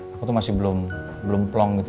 aku tuh masih belum plong gitu